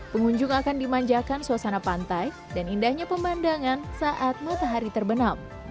pengunjung akan dimanjakan suasana pantai dan indahnya pemandangan saat matahari terbenam